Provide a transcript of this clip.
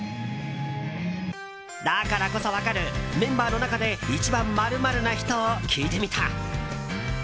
だからこそ分かるメンバーの中で一番○○な人を聞いてみた。